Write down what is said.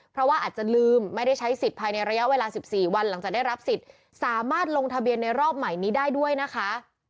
เพราะว่าอาจจะลืมไม่ได้ใช้สิทธิ์ภายในระยะเวลา๑๔วันหลังจากได้รับสิทธิ์สามารถลงทะเบียนในรอบใหม่นี้ได้ด้วยนะคะ